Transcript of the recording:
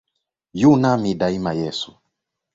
Yu nami daima Yesu.